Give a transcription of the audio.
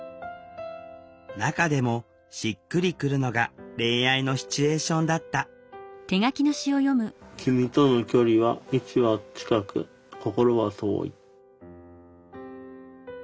中でもしっくりくるのが恋愛のシチュエーションだった「君との距離は位置は近く心は遠い」。